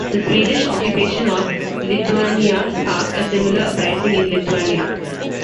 The Swedish occupation of Lithuania sparked a similar uprising in Lithuania.